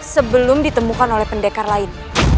sebelum ditemukan oleh pendekar lain